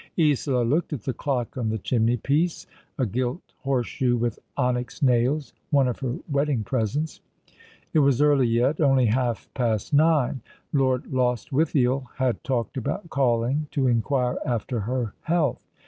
Isola looked at the clock on the chimney piece — a gilt horse shoe with onyx nails; one of her wedding presents. It was early yet — only half past nine. Lord Lostwithiel had talked about calling to inquire after her health.